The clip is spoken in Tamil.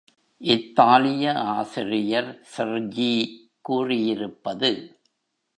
இத்தாலிய ஆசிரியர் செர்ஜி கூறியிருப்பது.